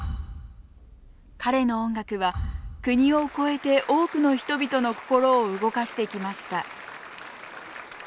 彼の音楽は国を超えて多くの人々の心を動かしてきました